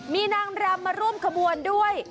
มีนางรำมาร่วมขบวนด้วย